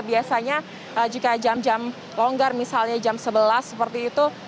biasanya jika jam jam longgar misalnya jam sebelas seperti itu